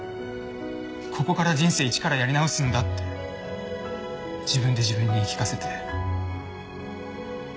ここから人生一からやり直すんだって自分で自分に言い聞かせて。